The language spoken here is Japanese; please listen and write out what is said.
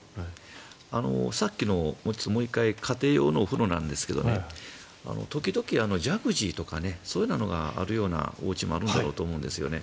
さっきの家庭用のお風呂なんですが時々、ジャグジーとかそういうのがあるおうちもあるんだろうと思うんですね。